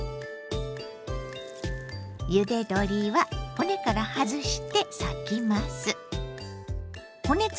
ゆで鶏は骨から外して裂きます。